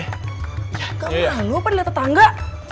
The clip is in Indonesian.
gak perlu apa dilihat tetangga